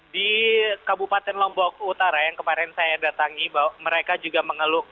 di kabupaten lombok utara yang kemarin saya datangi bahwa mereka juga mengeluh